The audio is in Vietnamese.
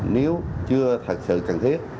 nếu chưa thật sự cần thiết